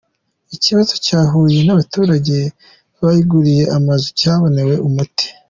Ikibazo cya huye n’abaturage bayiguriye amazu cyabonewe umuti